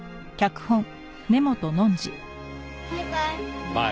バイバイ。